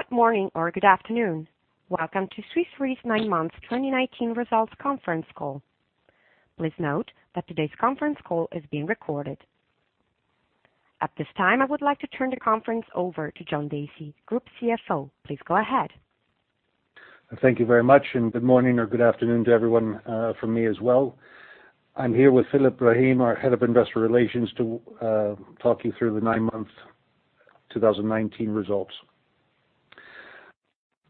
Good morning or good afternoon. Welcome to Swiss Re's nine months 2019 results conference call. Please note that today's conference call is being recorded. At this time, I would like to turn the conference over to John Dacey, Group CFO. Please go ahead. Thank you very much, and good morning or good afternoon to everyone from me as well. I'm here with Philippe Brahin, our Head of Investor Relations, to talk you through the nine-month 2019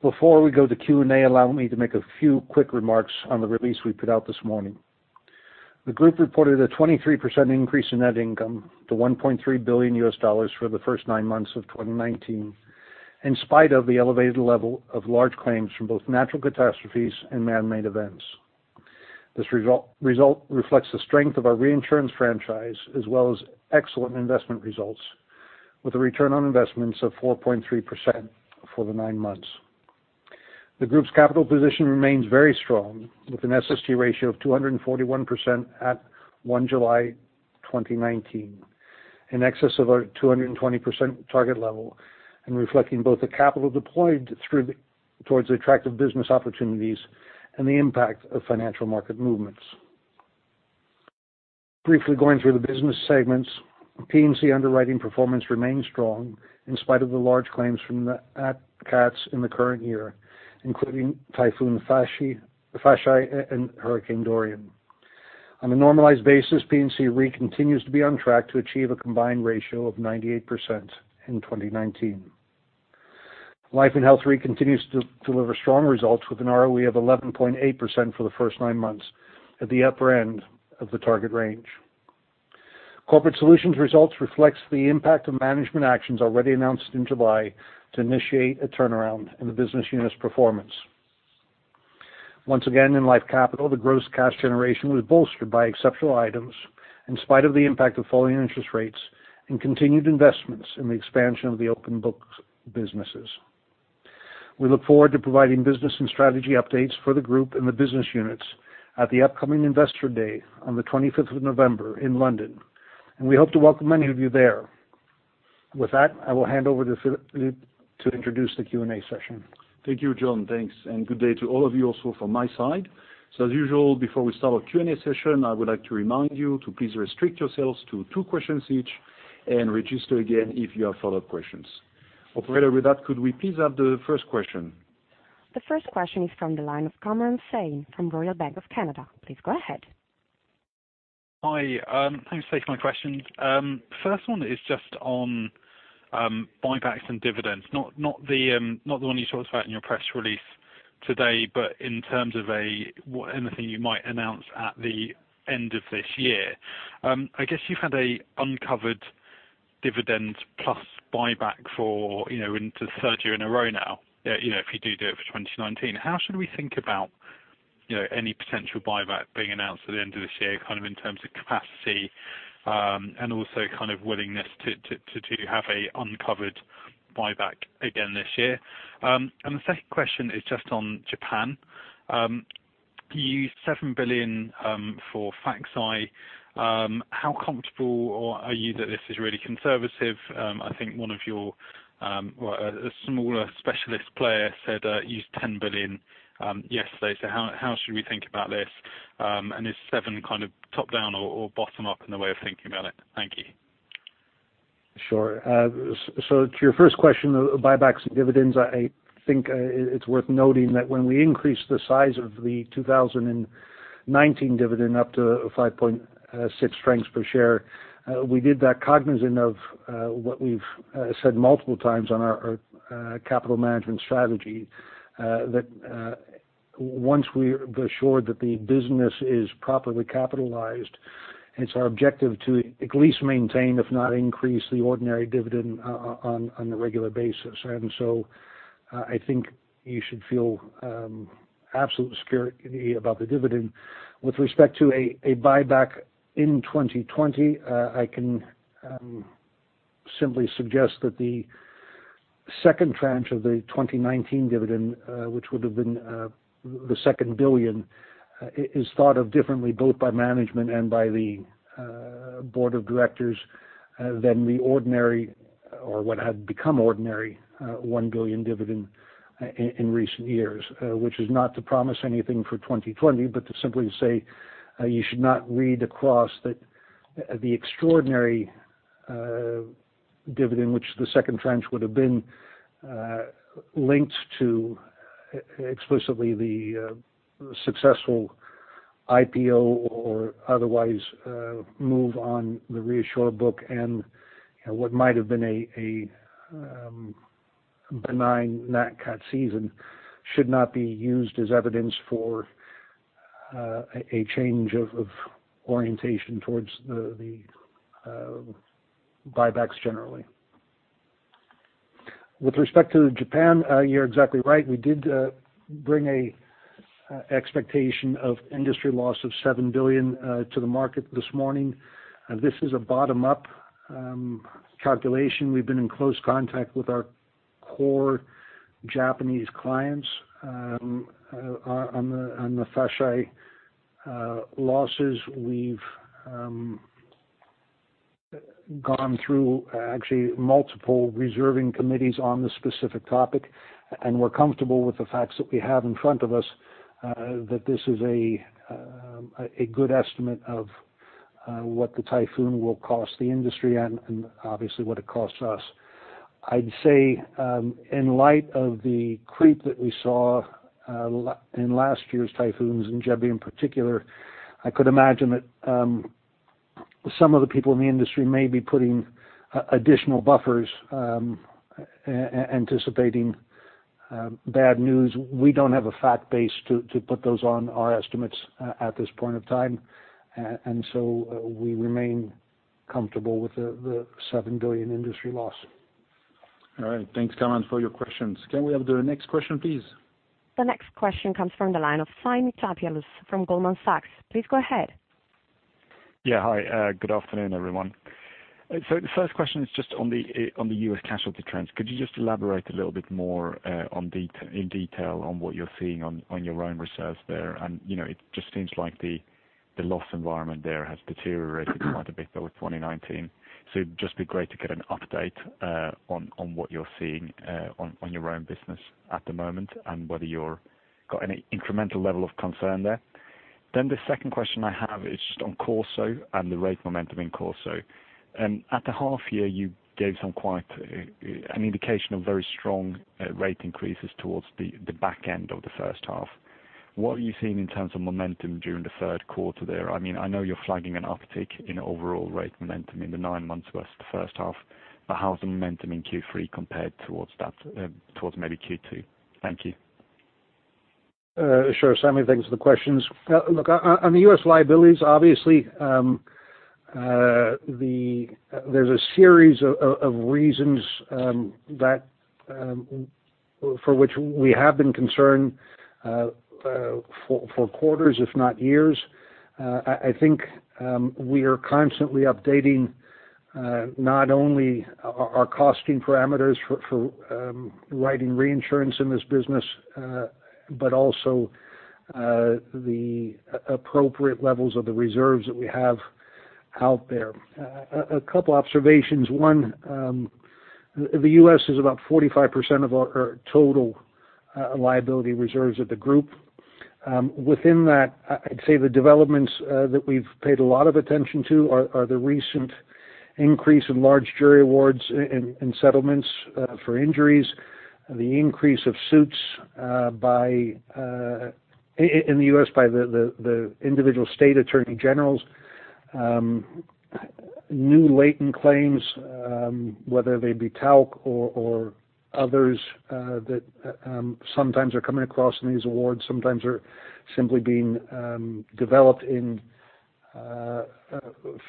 results. Before we go to Q&A, allow me to make a few quick remarks on the release we put out this morning. The group reported a 23% increase in net income to $1.3 billion for the first nine months of 2019, in spite of the elevated level of large claims from both natural catastrophes and man-made events. This result reflects the strength of our reinsurance franchise as well as excellent investment results, with a return on investments of 4.3% for the nine months. The group's capital position remains very strong, with an SST ratio of 241% at 1 July 2019, in excess of our 220% target level, and reflecting both the capital deployed towards attractive business opportunities and the impact of financial market movements. Briefly going through the business segments, P&C underwriting performance remains strong in spite of the large claims from the CATs in the current year, including Typhoon Faxai and Hurricane Dorian. On a normalized basis, P&C Re continues to be on track to achieve a combined ratio of 98% in 2019. Life & Health Reinsurance continues to deliver strong results with an ROE of 11.8% for the first nine months, at the upper end of the target range. Corporate Solutions results reflects the impact of management actions already announced in July to initiate a turnaround in the business unit's performance. Once again, in Life Capital, the gross cash generation was bolstered by exceptional items in spite of the impact of falling interest rates and continued investments in the expansion of the open book businesses. We look forward to providing business and strategy updates for the group and the business units at the upcoming Investor Day on the 25th of November in London. We hope to welcome many of you there. With that, I will hand over to Philippe to introduce the Q&A session. Thank you, John. Thanks, good day to all of you also from my side. As usual, before we start our Q&A session, I would like to remind you to please restrict yourselves to two questions each and register again if you have follow-up questions. Operator, with that, could we please have the first question? The first question is from the line of Kamran Hossain from Royal Bank of Canada. Please go ahead. Hi. Thanks for taking my questions. First one is just on buybacks and dividends, not the one you talked about in your press release today, but in terms of anything you might announce at the end of this year. I guess you've had a uncovered dividend plus buyback for into the third year in a row now, if you do it for 2019. How should we think about any potential buyback being announced at the end of this year, kind of in terms of capacity, and also kind of willingness to have an uncovered buyback again this year? The second question is just on Japan. You used 7 billion for Faxai. How comfortable are you that this is really conservative? I think one of your, well, a smaller specialist player said use 10 billion yesterday, how should we think about this? Is seven kind of top-down or bottom-up in the way of thinking about it? Thank you. To your first question, buybacks and dividends, I think it's worth noting that when we increased the size of the 2019 dividend up to 5.6 francs per share, we did that cognizant of what we've said multiple times on our capital management strategy. Once we're assured that the business is properly capitalized, it's our objective to at least maintain, if not increase, the ordinary dividend on a regular basis. I think you should feel absolute security about the dividend. With respect to a buyback in 2020, I can simply suggest that the second tranche of the 2019 dividend, which would have been the second 1 billion, is thought of differently, both by management and by the board of directors than the ordinary, or what had become ordinary, 1 billion dividend in recent years. Which is not to promise anything for 2020, but to simply say you should not read across that the extraordinary dividend, which the second tranche would have been linked to explicitly the successful IPO or otherwise move on the ReAssure book and what might have been a benign Nat Cat season should not be used as evidence for a change of orientation towards the buybacks generally. With respect to Japan, you're exactly right. We did bring an expectation of industry loss of $7 billion to the market this morning. This is a bottom-up calculation. We've been in close contact with our Core Japanese clients on the Faxai losses. We've gone through actually multiple reserving committees on this specific topic, and we're comfortable with the facts that we have in front of us, that this is a good estimate of what the typhoon will cost the industry and obviously what it costs us. I'd say in light of the creep that we saw in last year's typhoons, in Jebi in particular, I could imagine that some of the people in the industry may be putting additional buffers, anticipating bad news. We don't have a fact base to put those on our estimates at this point of time. We remain comfortable with the $7 billion industry loss. All right. Thanks, Kamran, for your questions. Can we have the next question, please? The next question comes from the line of Sami Tabbal from Goldman Sachs. Please go ahead. Yeah. Hi, good afternoon, everyone. The first question is just on the U.S. casualty trends. Could you just elaborate a little bit more in detail on what you're seeing on your own reserves there? It just seems like the loss environment there has deteriorated quite a bit with 2019. It'd just be great to get an update on what you're seeing on your own business at the moment and whether you're got any incremental level of concern there. The second question I have is just on CorSo and the rate momentum in CorSo. At the half year, you gave some quite an indication of very strong rate increases towards the back end of the first half. What are you seeing in terms of momentum during the third quarter there? I know you're flagging an uptick in overall rate momentum in the 9 months versus the first half, but how has the momentum in Q3 compared towards maybe Q2? Thank you. Sure, Sami, thanks for the questions. Look, on the U.S. liabilities, obviously, there's a series of reasons for which we have been concerned for quarters, if not years. I think we are constantly updating not only our costing parameters for writing reinsurance in this business, but also the appropriate levels of the reserves that we have out there. A couple observations. One, the U.S. is about 45% of our total liability reserves of the group. Within that, I'd say the developments that we've paid a lot of attention to are the recent increase in large jury awards in settlements for injuries, the increase of suits in the U.S. by the individual state attorney generals, new latent claims whether they be talc or others that sometimes are coming across in these awards, sometimes are simply being developed in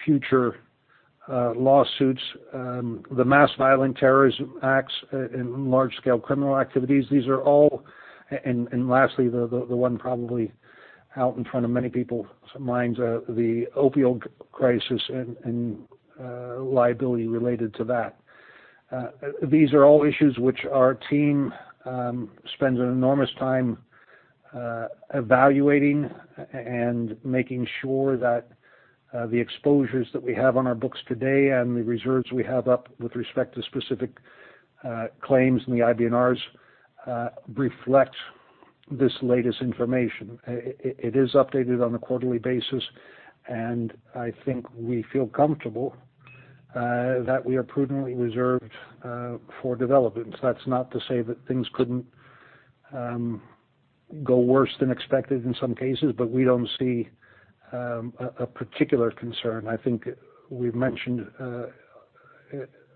future lawsuits, and the mass violent terrorism acts in large scale criminal activities. These are all, lastly, the one probably out in front of many people's minds are the opioid crisis and liability related to that. These are all issues which our team spends an enormous time evaluating and making sure that the exposures that we have on our books today and the reserves we have up with respect to specific claims in the IBNRs, reflect this latest information. It is updated on a quarterly basis, I think we feel comfortable that we are prudently reserved for developments. That's not to say that things couldn't go worse than expected in some cases, we don't see a particular concern. I think we've mentioned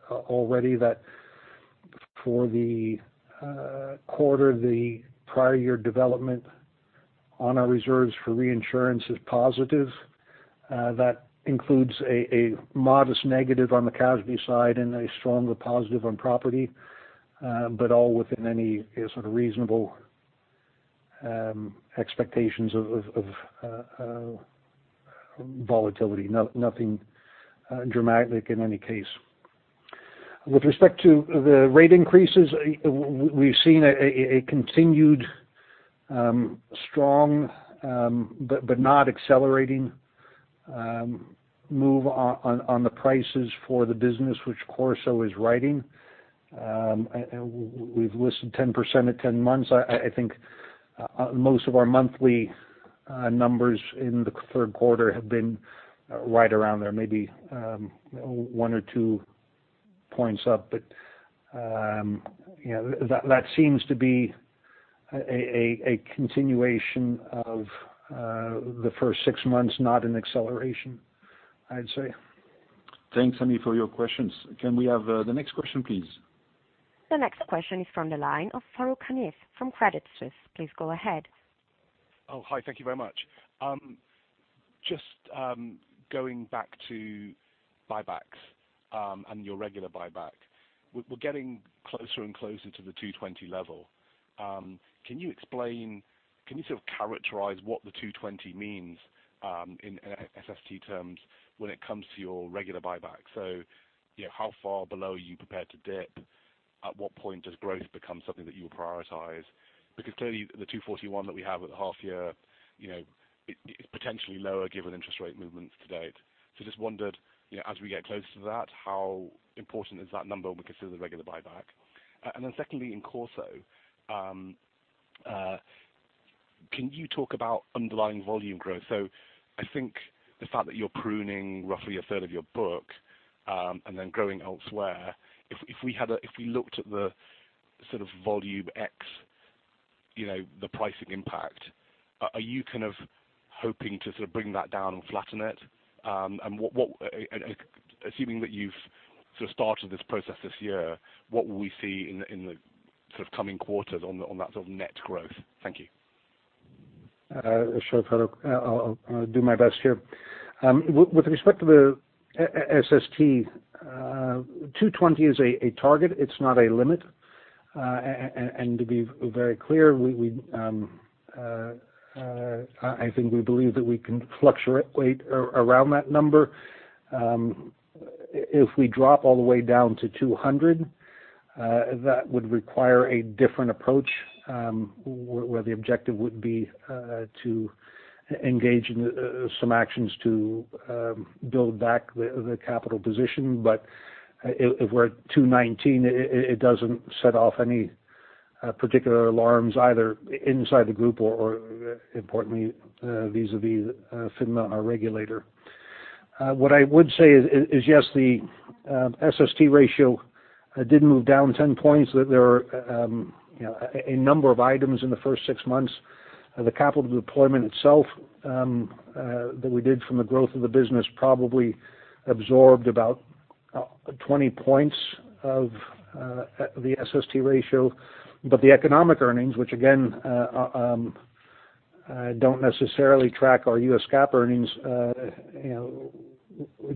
already that for the quarter, the prior year development on our reserves for reinsurance is positive. That includes a modest negative on the casualty side and a stronger positive on property, but all within any sort of reasonable expectations of volatility. Nothing dramatic in any case. With respect to the rate increases, we've seen a continued strong, but not accelerating, move on the prices for the business which CorSo is writing. We've listed 10% at 10 months. I think most of our monthly numbers in the third quarter have been right around there, maybe one or two points up. That seems to be a continuation of the first six months, not an acceleration, I'd say. Thanks, Sami, for your questions. Can we have the next question, please? The next question is from the line of Fahad Kunwar from Credit Suisse. Please go ahead. Oh, hi. Thank you very much. Just going back to buybacks, your regular buyback. We're getting closer and closer to the 220 level. Can you sort of characterize what the 220 means in SST terms when it comes to your regular buyback? How far below are you prepared to dip? At what point does growth become something that you would prioritize? Clearly the 241 that we have at the half year is potentially lower given interest rate movements to date. Just wondered as we get closer to that, how important is that number when we consider the regular buyback? Secondly, in CorSo, can you talk about underlying volume growth? I think the fact that you're pruning roughly a third of your book, and then growing elsewhere, if we looked at the sort of volume X, the pricing impact, are you kind of hoping to sort of bring that down and flatten it? Assuming that you've sort of started this process this year, what will we see in the sort of coming quarters on that sort of net growth? Thank you. Sure, Hanif. I'll do my best here. With respect to the SST, 220 is a target. It's not a limit. To be very clear, I think we believe that we can fluctuate around that number. If we drop all the way down to 200, that would require a different approach, where the objective would be to engage in some actions to build back the capital position. If we're at 219, it doesn't set off any particular alarms either inside the group or importantly, vis-a-vis FINMA, our regulator. What I would say is yes, the SST ratio did move down 10 points. There are a number of items in the first six months. The capital deployment itself that we did from the growth of the business probably absorbed about 20 points of the SST ratio. The economic earnings, which again don't necessarily track our US GAAP earnings,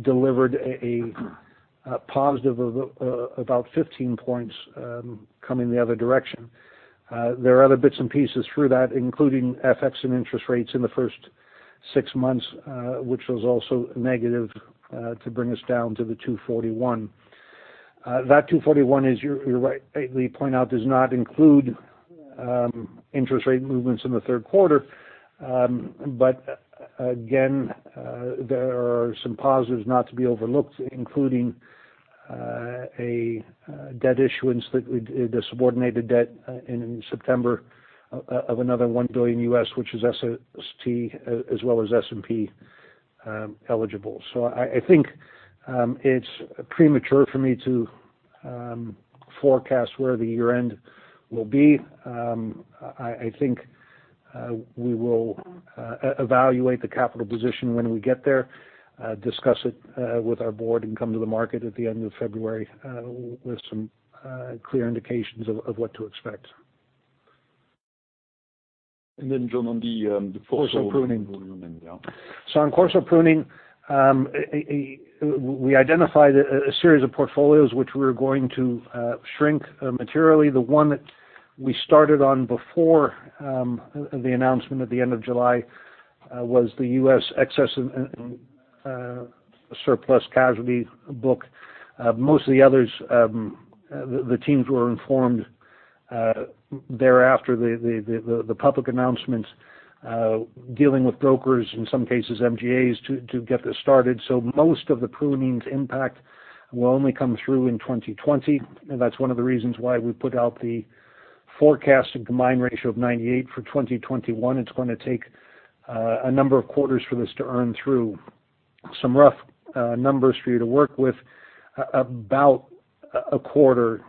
delivered a positive of about 15 points coming the other direction. There are other bits and pieces through that, including FX and interest rates in the first six months, which was also negative to bring us down to the 241. That 241 is, you're right, you point out, does not include interest rate movements in the third quarter. Again, there are some positives not to be overlooked, including a debt issuance, the subordinated debt in September of another $1 billion, which is SST as well as S&P eligible. I think it's premature for me to forecast where the year-end will be. I think we will evaluate the capital position when we get there, discuss it with our board and come to the market at the end of February with some clear indications of what to expect. John, on the- CorSo pruning CorSo volume, yeah. On CorSo pruning, we identified a series of portfolios which we're going to shrink materially. The one that we started on before the announcement at the end of July was the U.S. excess and surplus casualty book. Most of the others, the teams were informed thereafter the public announcements dealing with brokers, in some cases MGAs to get this started. Most of the pruning's impact will only come through in 2020. That's one of the reasons why we put out the forecast combined ratio of 98 for 2021. It's going to take a number of quarters for this to earn through. Some rough numbers for you to work with, about a quarter,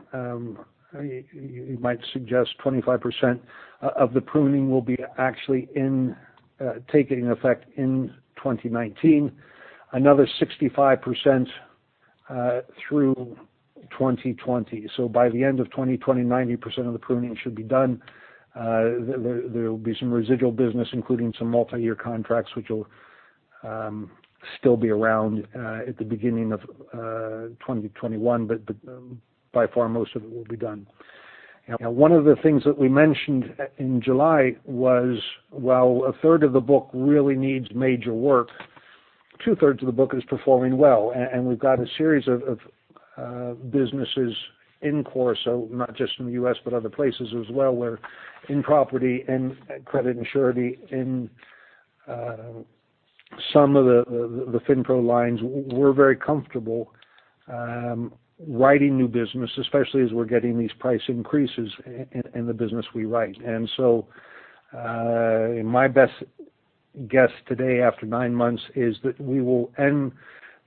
you might suggest 25% of the pruning will be actually taking effect in 2019, another 65% through 2020. By the end of 2020, 90% of the pruning should be done. There will be some residual business, including some multi-year contracts, which will still be around at the beginning of 2021, but by far most of it will be done. Now, one of the things that we mentioned in July was while a third of the book really needs major work, two-thirds of the book is performing well. We've got a series of businesses in CorSo, not just in the U.S., but other places as well, where in property and credit and surety in some of the FinPro lines, we're very comfortable writing new business, especially as we're getting these price increases in the business we write. My best guess today after nine months is that we will end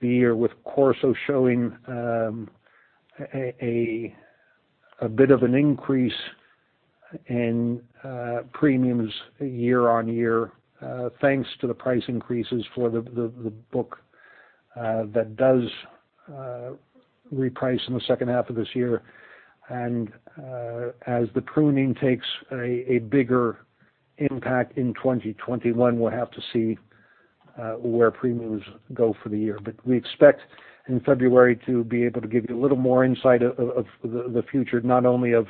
the year with CorSo showing a bit of an increase in premiums year-on-year, thanks to the price increases for the book that does reprice in the second half of this year. As the pruning takes a bigger impact in 2021, we'll have to see where premiums go for the year. We expect in February to be able to give you a little more insight of the future, not only of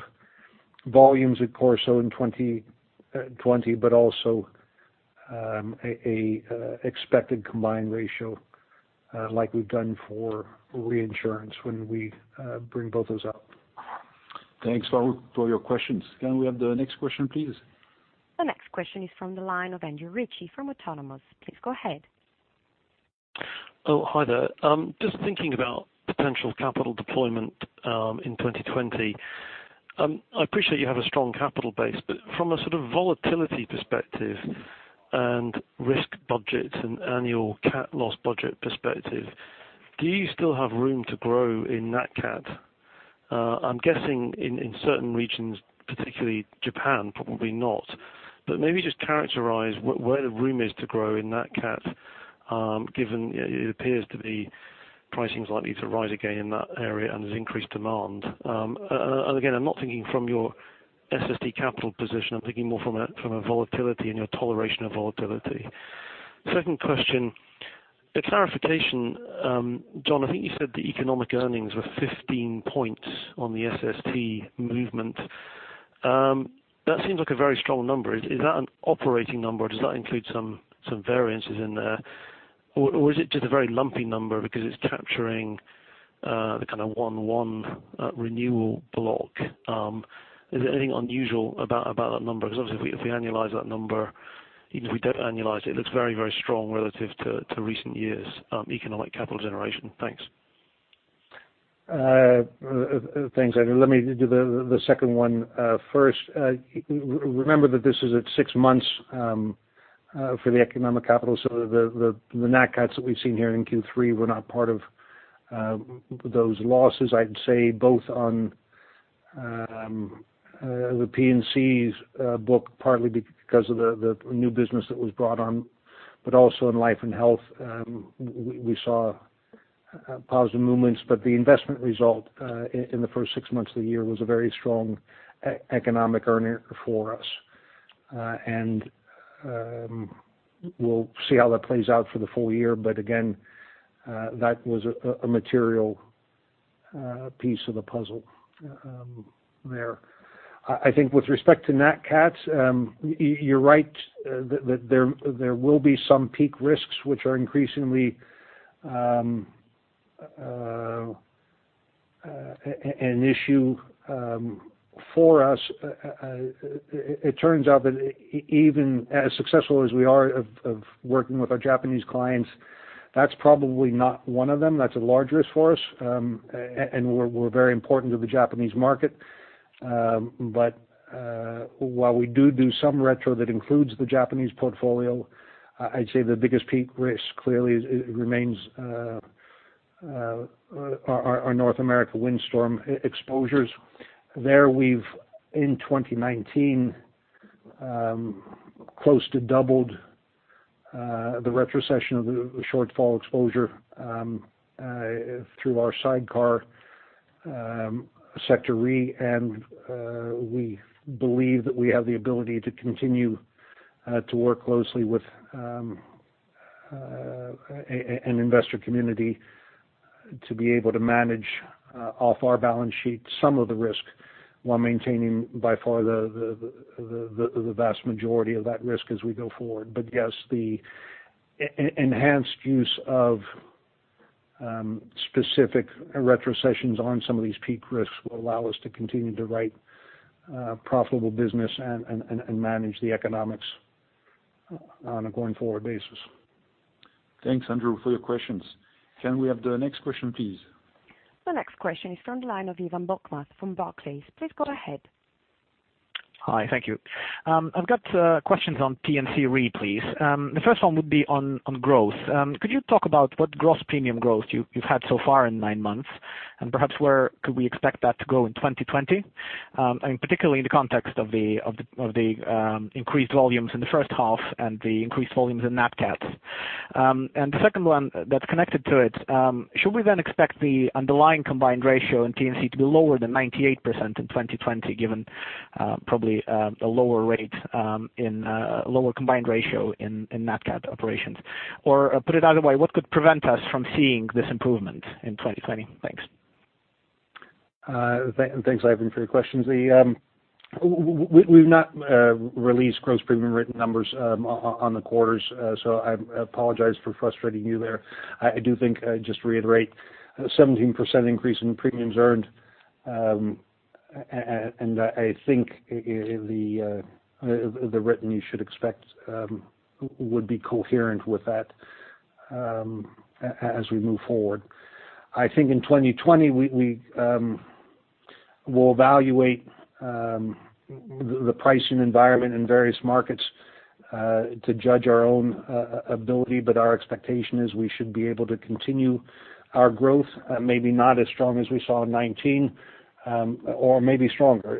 volumes at CorSo in 2020, but also an expected combined ratio like we've done for reinsurance when we bring both those up. Thanks, Fahad, for all your questions. Can we have the next question, please? The next question is from the line of Andrew Ritchie from Autonomous. Please go ahead. Oh, hi there. Just thinking about potential capital deployment in 2020. I appreciate you have a strong capital base, but from a sort of volatility perspective and risk budget and annual cat loss budget perspective, do you still have room to grow in Nat Cat? I'm guessing in certain regions, particularly Japan, probably not. Maybe just characterize where the room is to grow in Nat Cat, given it appears to be pricing is likely to rise again in that area and there's increased demand. Again, I'm not thinking from your SST capital position. I'm thinking more from a volatility and your toleration of volatility. Second question, a clarification. John, I think you said the economic earnings were 15 points on the SST movement. That seems like a very strong number. Is that an operating number? Does that include some variances in there? Is it just a very lumpy number because it's capturing the kind of one renewal block? Is there anything unusual about that number? Obviously, if we annualize that number, even if we don't annualize it looks very strong relative to recent years' economic capital generation. Thanks. Thanks, Andrew. Let me do the second one first. Remember that this is at six months for the economic capital, so the Nat Cat that we've seen here in Q3 were not part of those losses, I'd say, both on the P&C book, partly because of the new business that was brought on. Also in Life & Health, we saw positive movements, but the investment result in the first six months of the year was a very strong economic earner for us. We'll see how that plays out for the full year. Again, that was a material piece of the puzzle there. I think with respect to Nat Cat, you're right that there will be some peak risks, which are increasingly an issue for us. It turns out that even as successful as we are of working with our Japanese clients, that's probably not one of them. That's a large risk for us, and we're very important to the Japanese market. While we do some retro that includes the Japanese portfolio, I'd say the biggest peak risk clearly remains our North America windstorm exposures. There we've, in 2019, close to doubled the retrocession of the shortfall exposure through our sidecar Sector Re, and we believe that we have the ability to continue to work closely with an investor community to be able to manage off our balance sheet some of the risk, while maintaining by far the vast majority of that risk as we go forward. Yes, the enhanced use of specific retrocessions on some of these peak risks will allow us to continue to write profitable business and manage the economics on a going-forward basis. Thanks, Andrew, for your questions. Can we have the next question, please? The next question is from the line of Ivan Bokhmat from Barclays. Please go ahead. Hi, thank you. I've got questions on P&C Re, please. The first one would be on growth. Could you talk about what gross premium growth you've had so far in nine months? Perhaps where could we expect that to go in 2020? Particularly in the context of the increased volumes in the first half and the increased volumes in Nat Cats. The second one that's connected to it, should we then expect the underlying combined ratio in P&C to be lower than 98% in 2020, given probably a lower combined ratio in Nat Cat operations? Put it another way, what could prevent us from seeing this improvement in 2020? Thanks. Thanks, Ivan, for your questions. We've not released gross premium written numbers on the quarters. I apologize for frustrating you there. I do think, just to reiterate, a 17% increase in premiums earned. I think the written you should expect would be coherent with that as we move forward. I think in 2020, we will evaluate the pricing environment in various markets to judge our own ability. Our expectation is we should be able to continue our growth, maybe not as strong as we saw in 2019 or maybe stronger.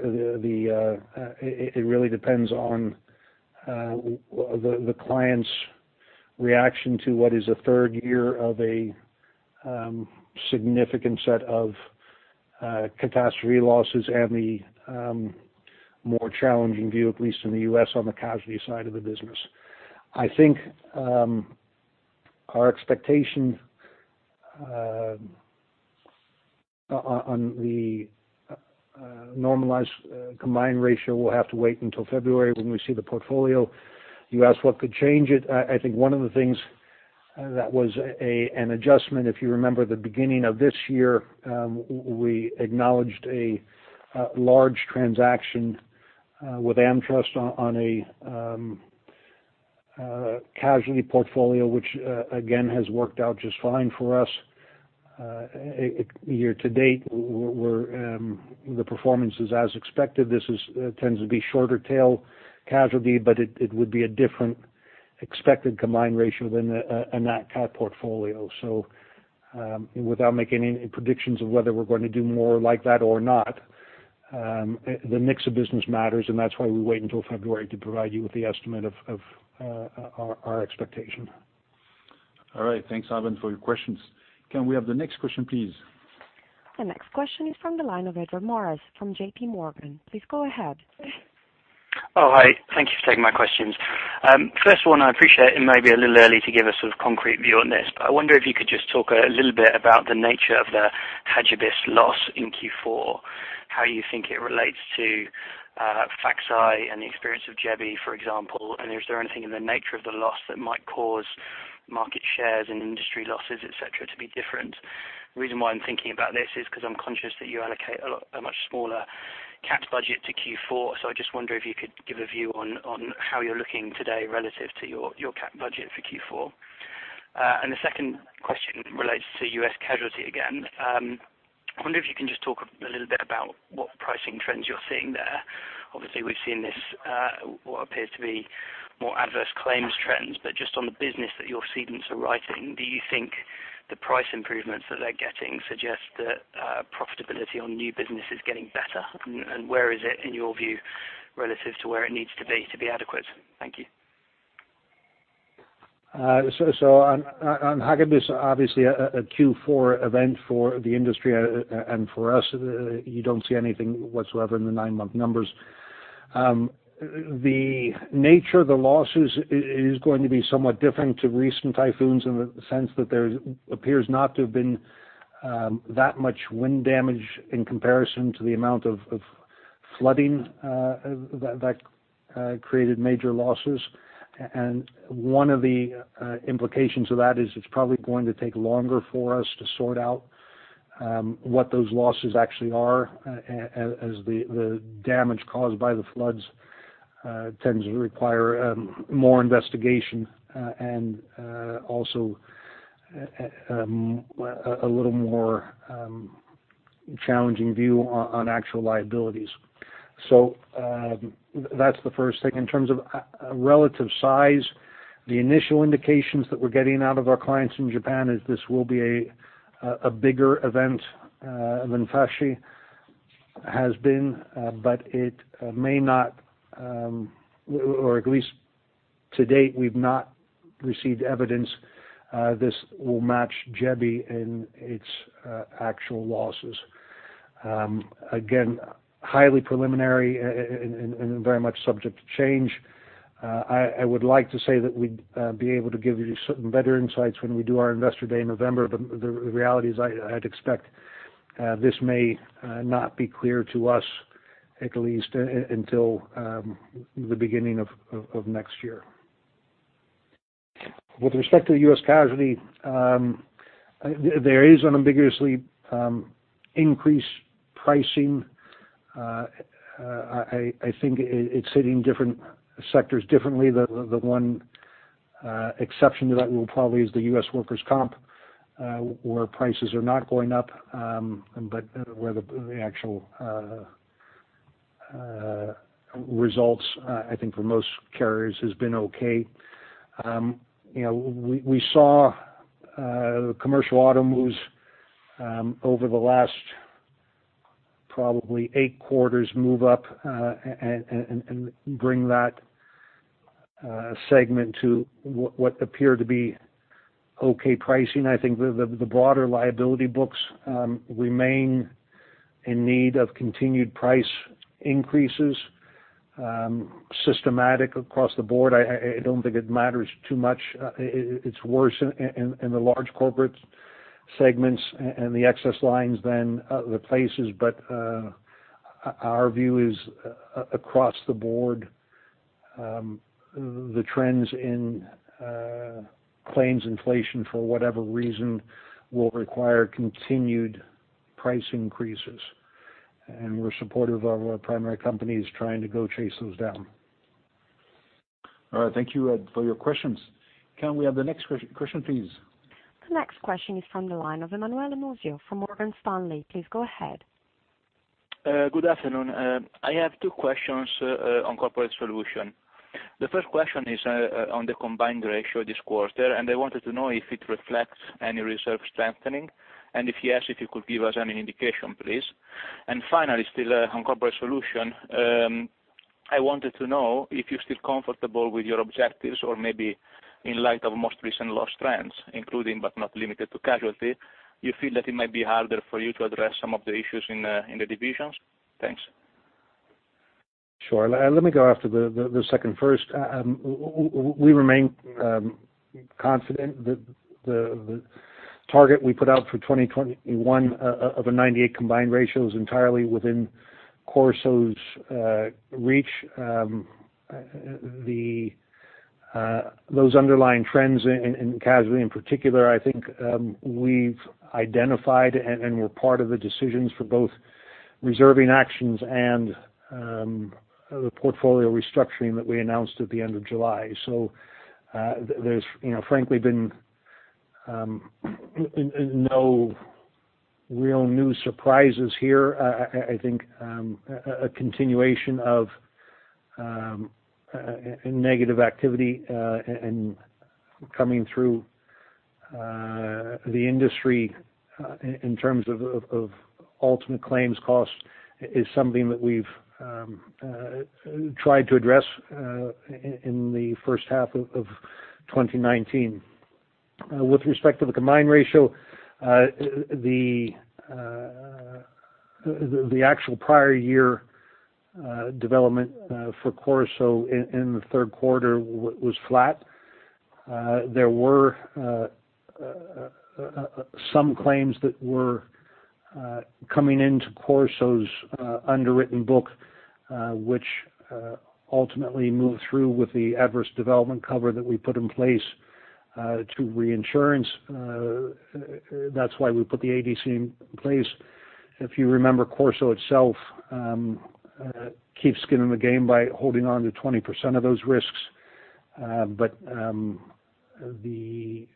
It really depends on the client's reaction to what is a third year of a significant set of catastrophe losses and the more challenging view, at least in the U.S., on the casualty side of the business. I think our expectation on the normalized combined ratio will have to wait until February when we see the portfolio. You asked what could change it. I think one of the things that was an adjustment, if you remember the beginning of this year, we acknowledged a large transaction with AmTrust on a casualty portfolio, which again, has worked out just fine for us. Year to date, the performance is as expected. This tends to be shorter tail casualty, but it would be a different expected combined ratio than a Nat Cat portfolio. Without making any predictions of whether we're going to do more like that or not, the mix of business matters, and that's why we wait until February to provide you with the estimate of our expectation. All right. Thanks, Ivan, for your questions. Can we have the next question, please? The next question is from the line of Edward Morris from JPMorgan. Please go ahead. Oh, hi. Thank you for taking my questions. First one, I appreciate it may be a little early to give a sort of concrete view on this, but I wonder if you could just talk a little bit about the nature of the Hagibis loss in Q4, how you think it relates to Faxai and the experience of Jebi, for example, and is there anything in the nature of the loss that might cause market shares and industry losses, et cetera, to be different? The reason why I'm thinking about this is because I'm conscious that you allocate a much smaller cat budget to Q4. I just wonder if you could give a view on how you're looking today relative to your cat budget for Q4. The second question relates to U.S. casualty again. I wonder if you can just talk a little bit about what pricing trends you're seeing there. Obviously, we've seen this, what appears to be more adverse claims trends, but just on the business that your cedents are writing, do you think the price improvements that they're getting suggest that profitability on new business is getting better? Where is it, in your view, relative to where it needs to be to be adequate? Thank you. On Hagibis, obviously a Q4 event for the industry and for us. You don't see anything whatsoever in the nine-month numbers. The nature of the losses is going to be somewhat different to recent typhoons in the sense that there appears not to have been that much wind damage in comparison to the amount of flooding that created major losses. One of the implications of that is it's probably going to take longer for us to sort out what those losses actually are as the damage caused by the floods tends to require more investigation and also a little more challenging view on actual liabilities. That's the first thing. In terms of relative size, the initial indications that we're getting out of our clients in Japan is this will be a bigger event than Faxai has been. It may not, or at least to date we've not received evidence this will match Jebi in its actual losses. Again, highly preliminary and very much subject to change. I would like to say that we'd be able to give you certain better insights when we do our investor day in November. The reality is I'd expect this may not be clear to us, at least until the beginning of next year. With respect to the U.S. casualty, there is unambiguously increased pricing. I think it's hitting different sectors differently. The one exception to that will probably is the U.S. workers' comp, where prices are not going up, but where the actual results I think for most carriers has been okay. We saw commercial auto moves over the last probably eight quarters move up and bring that segment to what appeared to be okay pricing. I think the broader liability books remain in need of continued price increases. Systematic across the board, I don't think it matters too much. It's worse in the large corporate segments and the excess lines than other places. Our view is across the board, the trends in claims inflation, for whatever reason, will require continued price increases. We're supportive of our primary companies trying to go chase those down. All right. Thank you, Ed, for your questions. Can we have the next question, please? The next question is from the line of Emmanuel Amos from Morgan Stanley. Please go ahead. Good afternoon. I have two questions on Corporate Solutions. The first question is on the combined ratio this quarter, and I wanted to know if it reflects any reserve strengthening, and if yes, if you could give us any indication, please. Finally, still on Corporate Solutions, I wanted to know if you're still comfortable with your objectives, or maybe in light of most recent loss trends, including but not limited to casualty, you feel that it might be harder for you to address some of the issues in the divisions? Thanks. Sure. Let me go after the second first. We remain confident that the target we put out for 2021 of a 98 combined ratio is entirely within CorSo's reach. Those underlying trends in casualty in particular, I think we've identified and were part of the decisions for both reserving actions and the portfolio restructuring that we announced at the end of July. There's frankly been no real new surprises here. I think a continuation of negative activity coming through the industry in terms of ultimate claims cost is something that we've tried to address in the first half of 2019. With respect to the combined ratio, the actual prior year development for CorSo in the third quarter was flat. There were some claims that were coming into CorSo's underwritten book, which ultimately moved through with the adverse development cover that we put in place to reinsurance. That's why we put the ADC in place. If you remember, CorSo itself keeps skin in the game by holding on to 20% of those risks. The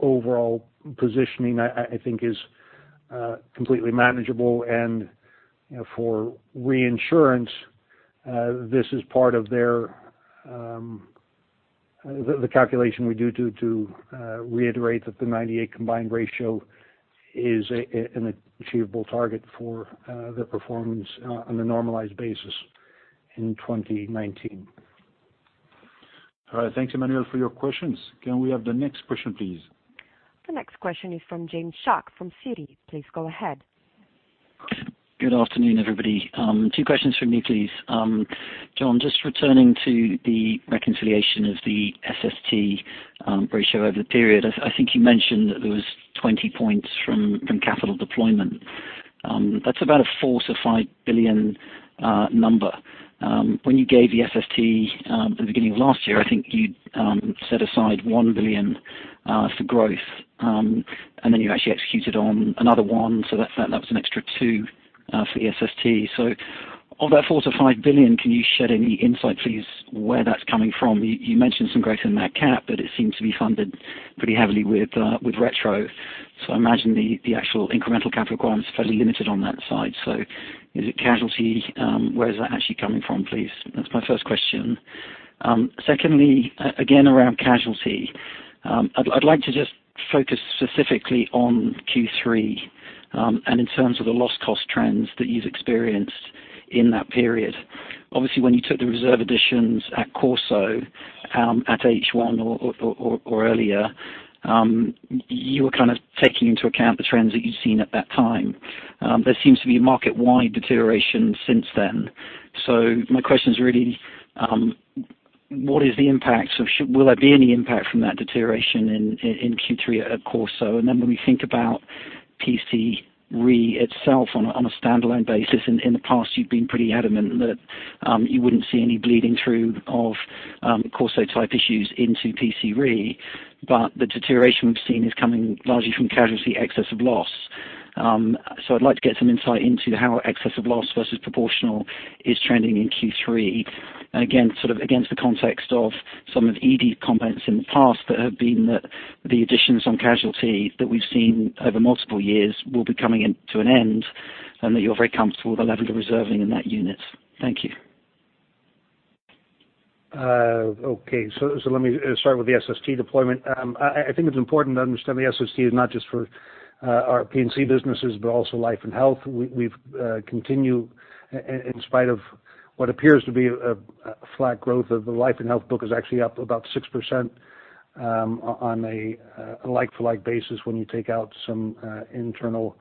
overall positioning, I think is completely manageable. For reinsurance, this is part of the calculation we do to reiterate that the 98 combined ratio is an achievable target for the performance on a normalized basis in 2019. All right. Thank you, Emmanuel, for your questions. Can we have the next question, please? The next question is from James Shuck from Citi. Please go ahead. Good afternoon, everybody. Two questions from me, please. John, just returning to the reconciliation of the SST ratio over the period, I think you mentioned that there was 20 points from capital deployment. That's about a 4 billion-5 billion number. When you gave the SST at the beginning of last year, I think you set aside 1 billion for growth. Then you actually executed on another 1 billion, so that was an extra 2 billion for the SST. Of that 4 billion-5 billion, can you shed any insight, please, where that's coming from? You mentioned some growth in Nat Cat, but it seems to be funded pretty heavily with retro. I imagine the actual incremental capital requirement is fairly limited on that side. Is it casualty? Where is that actually coming from, please? That's my first question. Secondly, again, around casualty. I'd like to just focus specifically on Q3 and in terms of the loss cost trends that you've experienced in that period. Obviously, when you took the reserve additions at CorSo at H1 or earlier, you were kind of taking into account the trends that you'd seen at that time. There seems to be a market-wide deterioration since then. My question is really, what is the impact? Will there be any impact from that deterioration in Q3 at CorSo? When we think about P&C Re itself on a standalone basis, in the past you've been pretty adamant that you wouldn't see any bleeding through of CorSo-type issues into P&C Re. The deterioration we've seen is coming largely from casualty excess of loss. I'd like to get some insight into how excess of loss versus proportional is trending in Q3. Sort of against the context of some of Edi comments in the past that have been that the additions on casualty that we've seen over multiple years will be coming to an end, and that you're very comfortable with the level of reserving in that unit. Thank you. Let me start with the SST deployment. I think it's important to understand the SST is not just for our P&C businesses, but also life and health. We've continued in spite of what appears to be a flat growth of the life and health book is actually up about 6% on a like-for-like basis when you take out some internal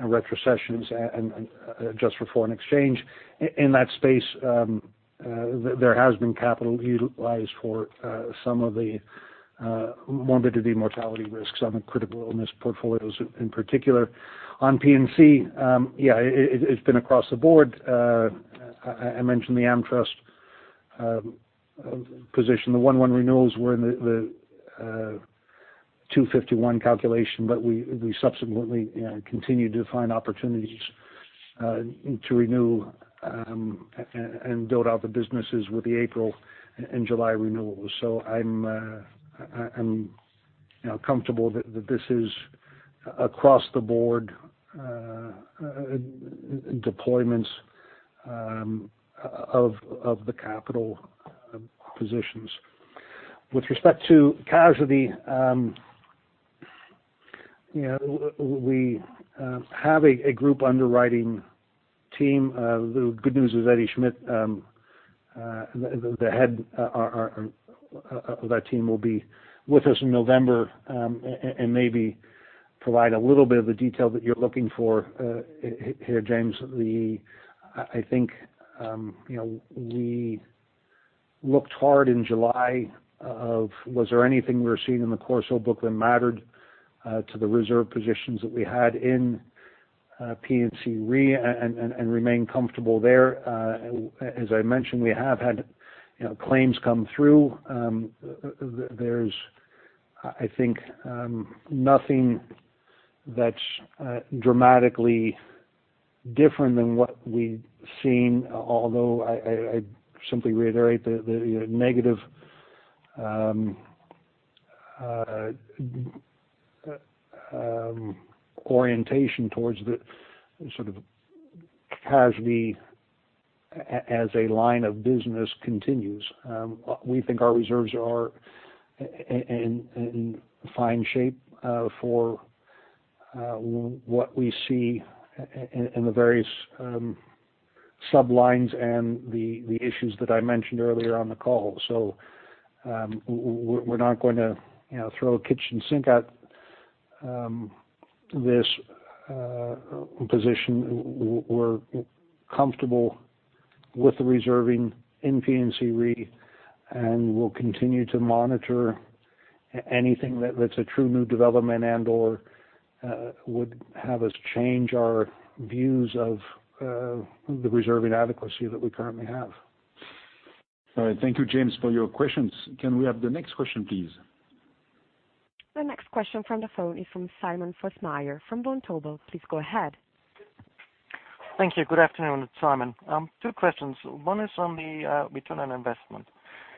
retrocessions and adjust for foreign exchange. In that space, there has been capital utilized for some of the morbidity mortality risks on the critical illness portfolios in particular. On P&C, yeah, it's been across the board. I mentioned the AmTrust position. The 1/1 renewals were in the 251 calculation, we subsequently continued to find opportunities to renew and build out the businesses with the April and July renewals. I'm comfortable that this is across the board deployments of the capital positions. With respect to casualty. We have a group underwriting team. The good news is Edi Schmid, the head of that team, will be with us in November, and maybe provide a little bit of the detail that you're looking for here, James. I think we looked hard in July of, was there anything we were seeing in the CorSo book that mattered to the reserve positions that we had in P&C Re, and remain comfortable there. As I mentioned, we have had claims come through. There's, I think, nothing that's dramatically different than what we've seen, although I simply reiterate the negative orientation towards the sort of casualty as a line of business continues. We think our reserves are in fine shape for what we see in the various sub-lines and the issues that I mentioned earlier on the call. We're not going to throw the kitchen sink at this position. We're comfortable with the reserving in P&C Re, and we'll continue to monitor anything that's a true new development and/or would have us change our views of the reserving adequacy that we currently have. All right. Thank you, James, for your questions. Can we have the next question, please? The next question from the phone is from Simon Foss Meyer from Vontobel. Please go ahead. Thank you. Good afternoon. Simon. Two questions. One is on the return on investment.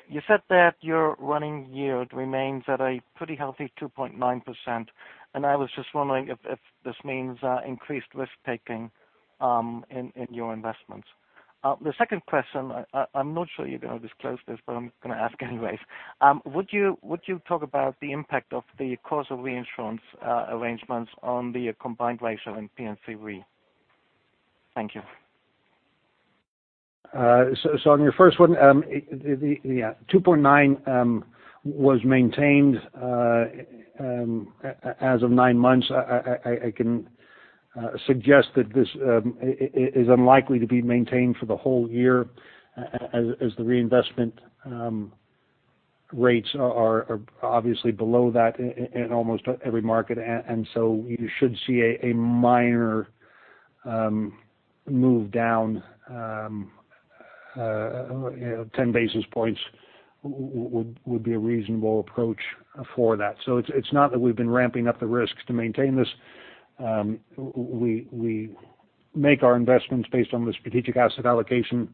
You said that your running yield remains at a pretty healthy 2.9%, and I was just wondering if this means increased risk-taking in your investments. The second question, I'm not sure you're going to disclose this, but I'm going to ask anyways. Would you talk about the impact of the CorSo reinsurance arrangements on the combined ratio in P&C Re? Thank you. On your first one, the 2.9 was maintained as of nine months. I can suggest that this is unlikely to be maintained for the whole year as the reinvestment rates are obviously below that in almost every market. You should see a minor move down. 10 basis points would be a reasonable approach for that. It's not that we've been ramping up the risks to maintain this. We make our investments based on the strategic asset allocation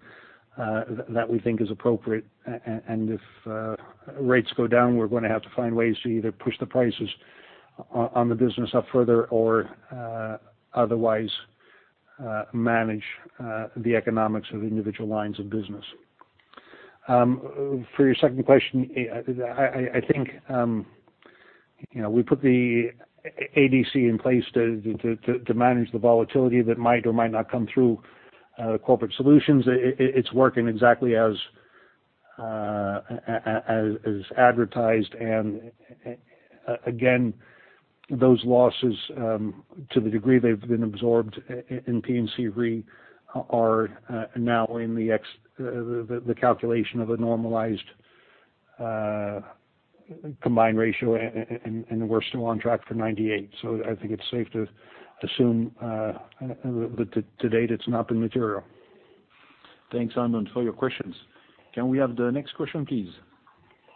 that we think is appropriate, and if rates go down, we're going to have to find ways to either push the prices on the business up further or otherwise manage the economics of individual lines of business. For your second question, I think we put the ADC in place to manage the volatility that might or might not come through Corporate Solutions. It's working exactly as advertised. Again, those losses, to the degree they've been absorbed in P&C Re, are now in the calculation of a normalized combined ratio. We're still on track for 98%. I think it's safe to assume that to date, it's not been material. Thanks, Simon, for your questions. Can we have the next question, please?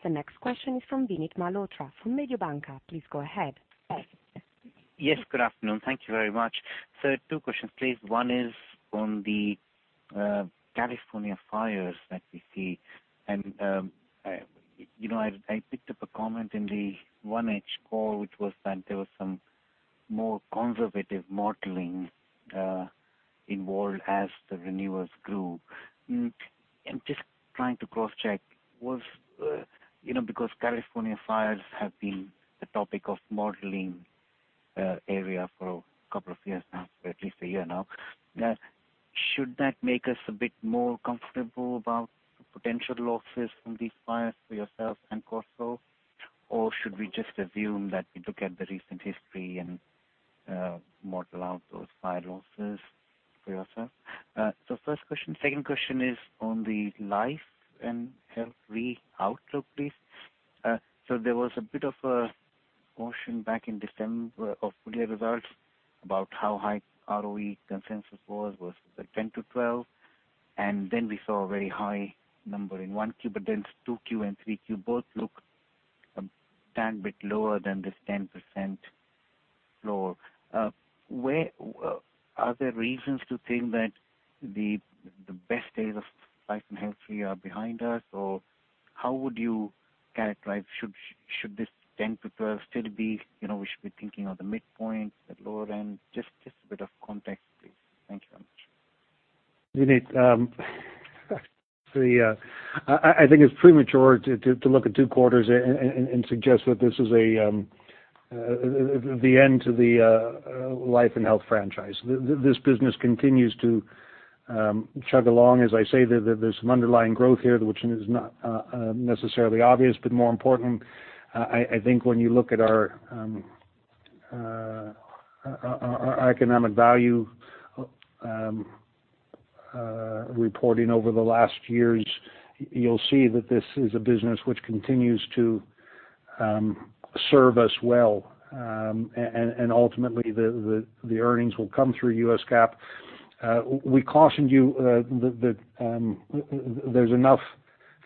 The next question is from Vinit Malhotra from Mediobanca. Please go ahead. Yes, good afternoon. Thank you very much. Sir, two questions, please. One is on the California fires that we see. I picked up a comment in the 1H call, which was that there was some more conservative modeling involved as the renewals grew. I am just trying to cross-check, because California fires have been the topic of modeling area for a couple of years now, or at least a year now. Should that make us a bit more comfortable about potential losses from these fires for yourself and CorSo, or should we just assume that we look at the recent history and model out those fire losses for yourself? First question. Second question is on the Life & Health Re outlook, please. There was a bit of a motion back in December of fully results about how high ROE consensus was versus the 10%-12%, and then we saw a very high number in 1Q, but then 2Q and 3Q both look a tad bit lower than this 10% floor. Are there reasons to think that the best days of Life & Health Re are behind us? How would you characterize, should this 10%-12% still be, we should be thinking of the midpoint, the lower end? Just a bit of context, please. Thank you. Vinit, I think it's premature to look at two quarters and suggest that this is the end to the life and health franchise. This business continues to chug along. As I say, there's some underlying growth here, which is not necessarily obvious. More important, I think when you look at our economic value reporting over the last years, you'll see that this is a business which continues to serve us well, and ultimately, the earnings will come through U.S. GAAP. We cautioned you that there's enough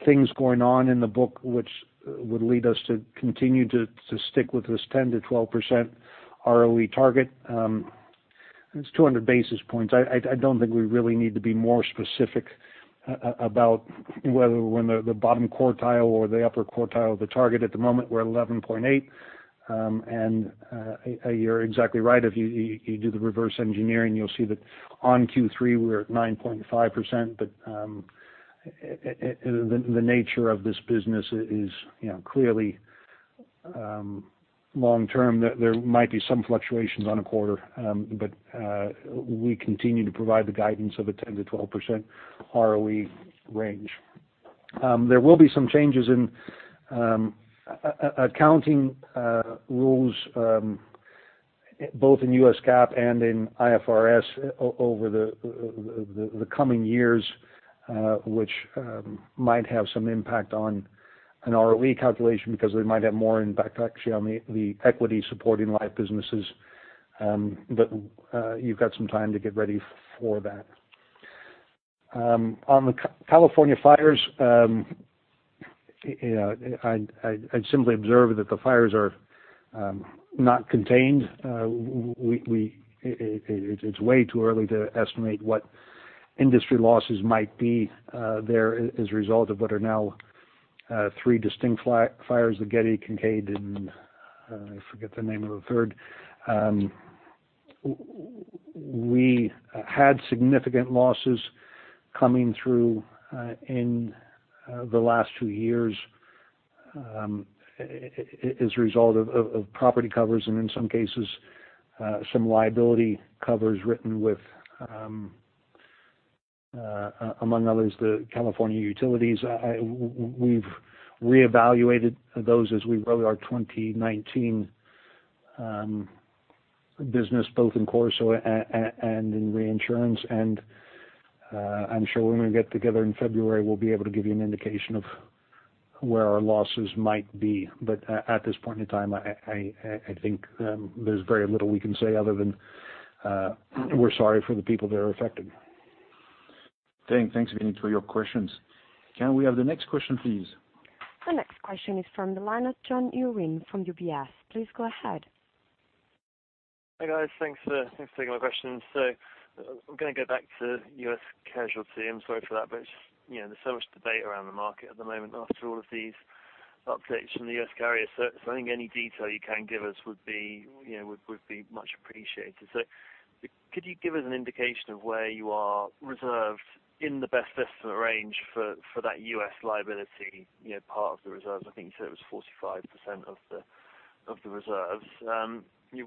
things going on in the book which would lead us to continue to stick with this 10%-12% ROE target. It's 200 basis points. I don't think we really need to be more specific about whether when the bottom quartile or the upper quartile, the target at the moment, we're at 11.8. You're exactly right. If you do the reverse engineering, you'll see that on Q3, we were at 9.5%, but the nature of this business is clearly long-term, that there might be some fluctuations on a quarter. We continue to provide the guidance of a 10%-12% ROE range. There will be some changes in accounting rules both in U.S. GAAP and in IFRS over the coming years, which might have some impact on an ROE calculation because we might have more impact actually on the equity supporting life businesses. You've got some time to get ready for that. On the California fires, I'd simply observe that the fires are not contained. It's way too early to estimate what industry losses might be there as a result of what are now three distinct fires, the Getty, Kincade, and I forget the name of the third. We had significant losses coming through in the last two years as a result of property covers, and in some cases, some liability covers written with among others, the California utilities. We've reevaluated those as we wrote our 2019 business, both in CorSo and in reinsurance, and I'm sure when we get together in February, we'll be able to give you an indication of where our losses might be. At this point in time, I think there's very little we can say other than we're sorry for the people that are affected. Thanks Vinit for your questions. Can we have the next question, please? The next question is from the line of John Urwin from UBS. Please go ahead. Hi, guys. Thanks for taking my questions. I'm going to go back to U.S. Casualty. I'm sorry for that, but there's so much debate around the market at the moment after all of these updates from the U.S. carrier. I think any detail you can give us would be much appreciated. Could you give us an indication of where you are reserved in the best estimate range for that U.S. liability part of the reserve? I think you said it was 45% of the reserves.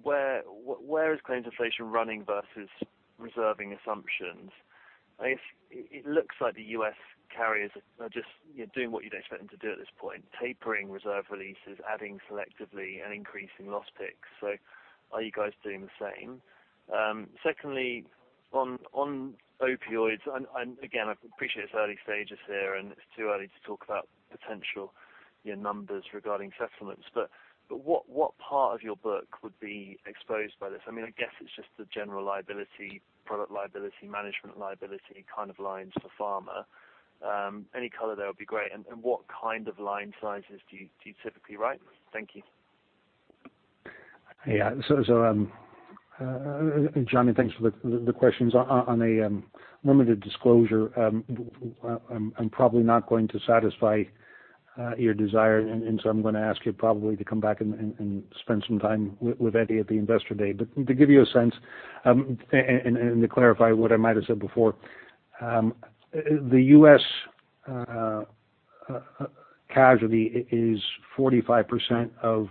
Where is claims inflation running versus reserving assumptions? It looks like the U.S. carriers are just doing what you'd expect them to do at this point, tapering reserve releases, adding selectively, and increasing loss picks. Are you guys doing the same? Secondly, on opioids, and again, I appreciate it's early stages there, and it's too early to talk about potential numbers regarding settlements. What part of your book would be exposed by this? I guess it's just the general liability, product liability, management liability kind of lines for pharma. Any color there would be great. What kind of line sizes do you typically write? Thank you. Yeah. John, thanks for the questions. On a limited disclosure, I'm probably not going to satisfy your desire, I'm going to ask you probably to come back and spend some time with Edi at the Investor Day. To give you a sense, to clarify what I might have said before, the U.S. Casualty is 45% of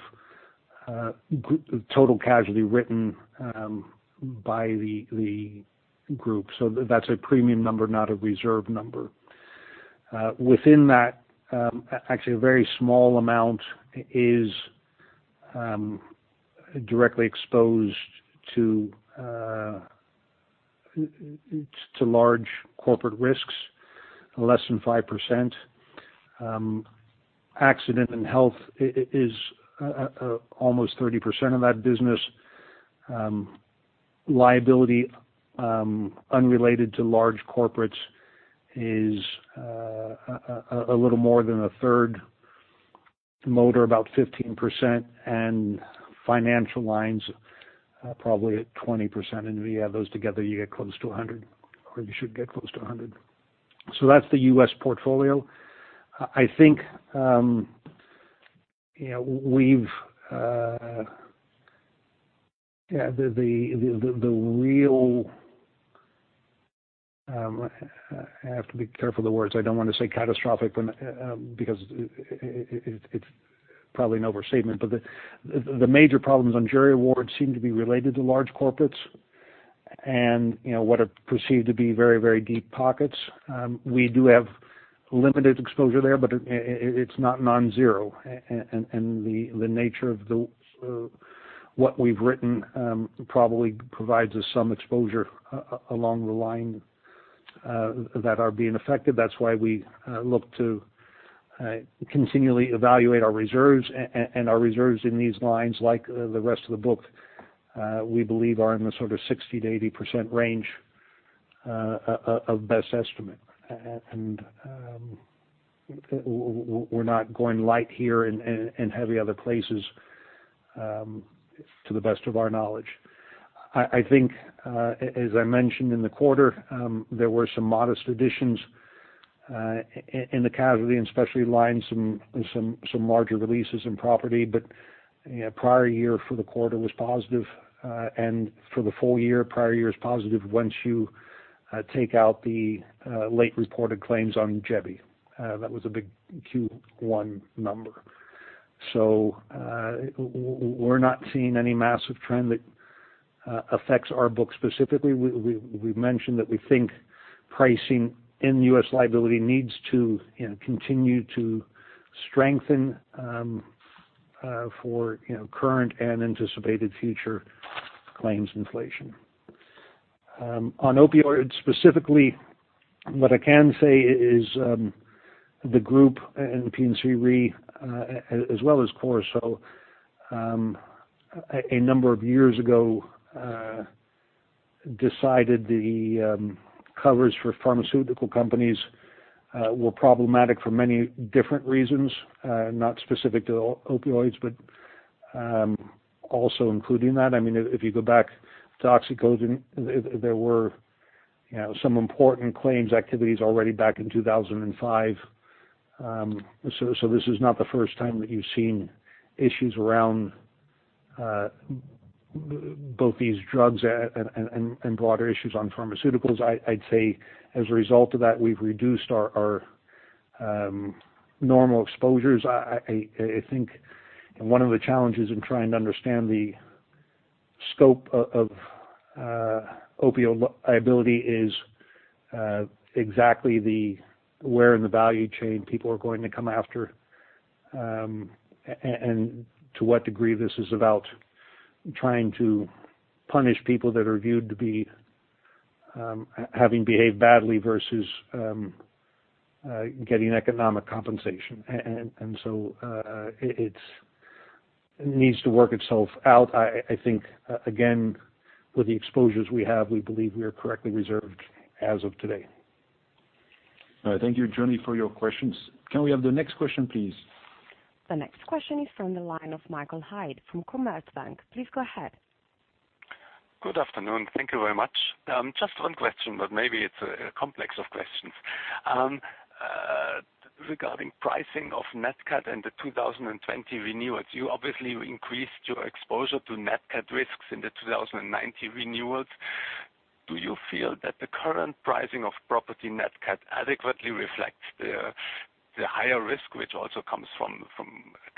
total casualty written by the group. That's a premium number, not a reserve number. Within that, actually a very small amount is directly exposed to large corporate risks, less than 5%. Accident and health is almost 30% of that business. Liability unrelated to large corporates is a little more than a third. Motor, about 15%, and financial lines probably at 20%. If you add those together, you get close to 100%, or you should get close to 100%. That's the U.S. portfolio. Yeah. I have to be careful of the words. I don't want to say catastrophic because it's probably an overstatement, but the major problems on jury awards seem to be related to large corporates and what are perceived to be very deep pockets. We do have limited exposure there, but it's not non-zero. The nature of what we've written probably provides us some exposure along the line that are being affected. That's why we look to continually evaluate our reserves. Our reserves in these lines, like the rest of the book, we believe are in the sort of 60% to 80% range of best estimate. We're not going light here and heavy other places, to the best of our knowledge. I think, as I mentioned in the quarter, there were some modest additions in the casualty and specialty lines, some larger releases in property. Prior year for the quarter was positive, and for the full year, prior year is positive once you take out the late reported claims on Jebi. That was a big Q1 number. We're not seeing any massive trend that affects our book specifically. We've mentioned that we think pricing in U.S. liability needs to continue to strengthen for current and anticipated future claims inflation. On opioids, specifically, what I can say is the group and P&C Re, as well as CorSo, a number of years ago, decided the covers for pharmaceutical companies were problematic for many different reasons, not specific to opioids, but also including that. If you go back to OxyContin, there were some important claims activities already back in 2005. This is not the first time that you've seen issues around both these drugs and broader issues on pharmaceuticals. I'd say as a result of that, we've reduced our normal exposures. I think one of the challenges in trying to understand the scope of opioid liability is exactly where in the value chain people are going to come after, and to what degree this is about trying to punish people that are viewed to be having behaved badly versus getting economic compensation. It needs to work itself out. I think, again, with the exposures we have, we believe we are correctly reserved as of today. All right. Thank you, John, for your questions. Can we have the next question, please? The next question is from the line of Michael Huttner from Commerzbank. Please go ahead. Good afternoon. Thank you very much. Just one question, but maybe it's a complex of questions. Regarding pricing of Nat Cat and the 2020 renewals, you obviously increased your exposure to Nat Cat risks in the 2019 renewals. Do you feel that the current pricing of property Nat Cat adequately reflects the higher risk, which also comes from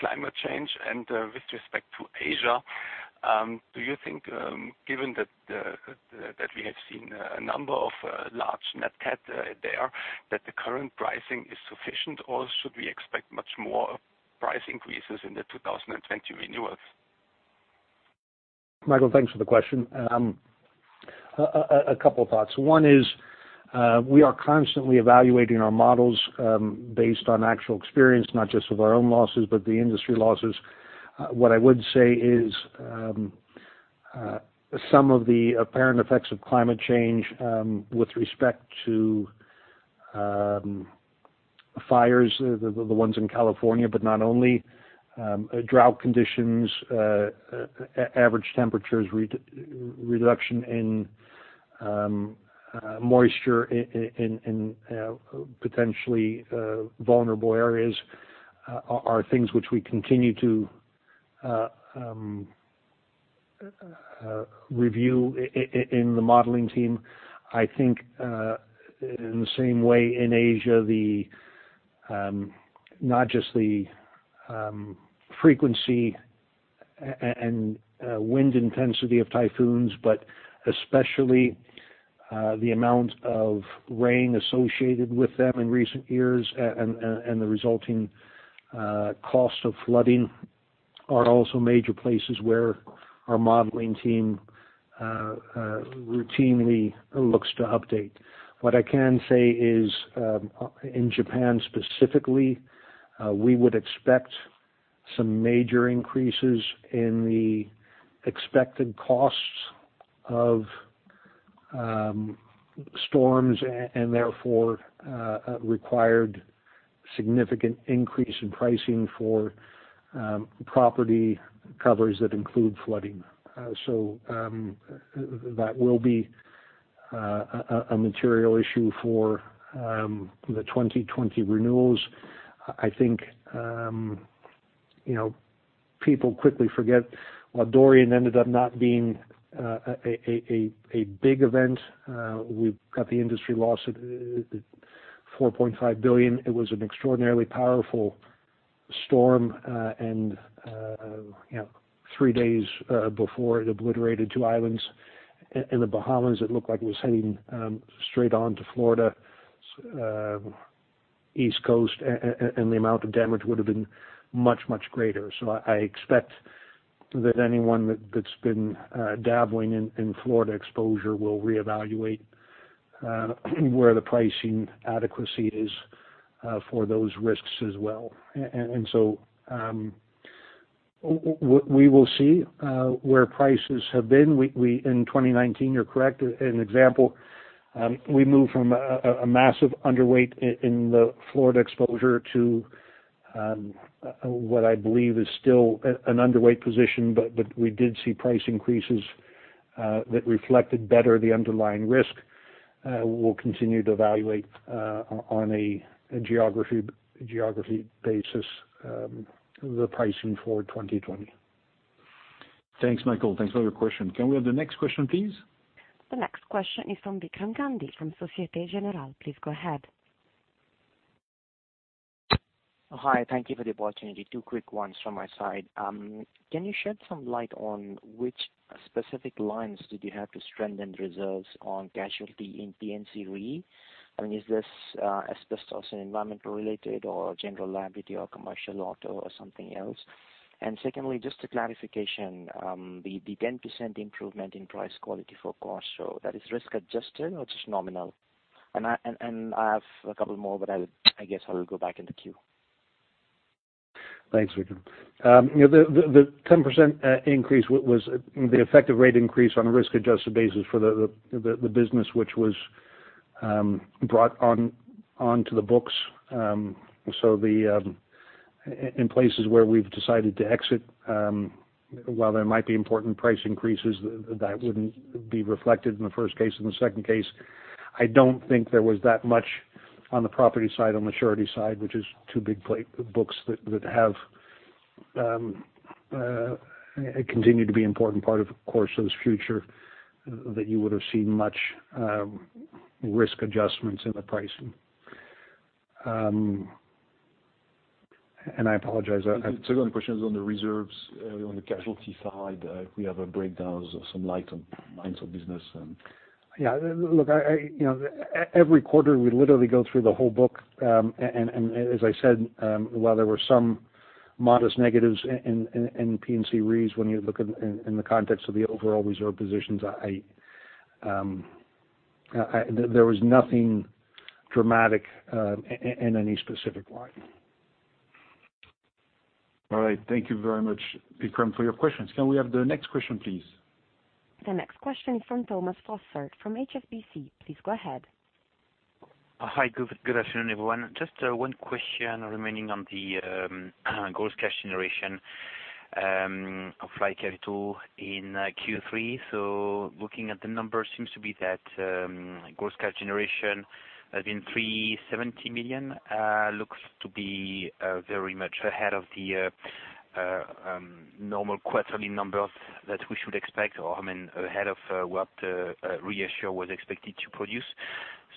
climate change? With respect to Asia, do you think given that we have seen a number of large Nat Cat there, that the current pricing is sufficient, or should we expect much more price increases in the 2020 renewals? Michael, thanks for the question. A couple of thoughts. One is we are constantly evaluating our models based on actual experience, not just of our own losses, but the industry losses. What I would say is some of the apparent effects of climate change with respect to fires, the ones in California, but not only, drought conditions, average temperatures, reduction in moisture in potentially vulnerable areas, are things which we continue to review in the modeling team. I think in the same way in Asia, not just the frequency and wind intensity of typhoons, but especially the amount of rain associated with them in recent years, and the resulting cost of flooding are also major places where our modeling team routinely looks to update. What I can say is in Japan specifically, we would expect some major increases in the expected costs of storms and therefore required significant increase in pricing for property covers that include flooding. That will be a material issue for the 2020 renewals. I think people quickly forget while Dorian ended up not being a big event, we've got the industry loss at 4.5 billion. It was an extraordinarily powerful storm, and three days before it obliterated two islands in the Bahamas, it looked like it was heading straight on to Florida East Coast, and the amount of damage would have been much greater. I expect that anyone that's been dabbling in Florida exposure will reevaluate where the pricing adequacy is for those risks as well. We will see where prices have been. We, in 2019, you're correct. An example, we moved from a massive underweight in the Florida exposure to what I believe is still an underweight position. We did see price increases that reflected better the underlying risk. We'll continue to evaluate on a geography basis the pricing for 2020. Thanks, Michael. Thanks for your question. Can we have the next question, please? The next question is from Vikram Gandhi from Societe Generale. Please go ahead. Hi. Thank you for the opportunity. Two quick ones from my side. Can you shed some light on which specific lines did you have to strengthen reserves on casualty in P&C Re? I mean, is this asbestos and environmental related or general liability or commercial auto or something else? Secondly, just a clarification. The 10% improvement in price quality for CorSo, that is risk-adjusted or just nominal? I have a couple more, but I guess I will go back in the queue. Thanks, Vikram. The 10% increase was the effective rate increase on a risk-adjusted basis for the business, which was brought onto the books. In places where we've decided to exit, while there might be important price increases, that wouldn't be reflected in the first case. In the second case, I don't think there was that much on the property side, on the surety side, which is two big books that continue to be important part of CorSo's future, that you would have seen much risk adjustments in the pricing. I apologize- The second question is on the reserves, on the casualty side, if we have a breakdowns or some light on lines of business? Yeah, look, every quarter we literally go through the whole book, and as I said, while there were some modest negatives in P&C Re when you look in the context of the overall reserve positions, there was nothing dramatic in any specific line. All right. Thank you very much, Vikram, for your questions. Can we have the next question, please? The next question is from Thomas Fossard from HSBC. Please go ahead. Hi. Good afternoon, everyone. Just one question remaining on the gross cash generation of Life Capital in Q3. Looking at the numbers seems to be that gross cash generation has been 370 million. Looks to be very much ahead of the normal quarterly numbers that we should expect, or, ahead of what ReAssure was expected to produce.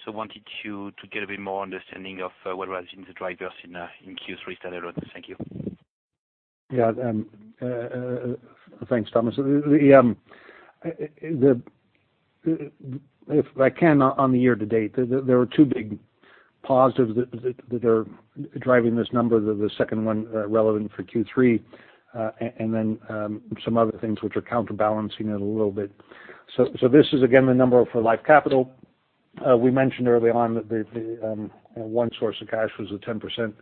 I wanted you to get a bit more understanding of what was in the drivers in Q3. Thank you. Yeah. Thanks, Thomas. If I can, on the year to date, there were two big positives that are driving this number, the second one relevant for Q3, and then some other things which are counterbalancing it a little bit. This is, again, the number for Life Capital. We mentioned early on that the one source of cash was the 10%